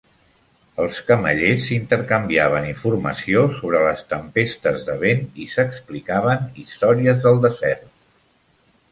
els camellers s'intercanviaven informació sobre les tempestes de vent i s'explicaven històries del desert.